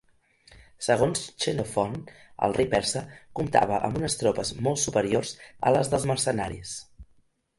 Segons Xenofont, el rei persa comptava amb unes tropes molt superiors a les dels mercenaris.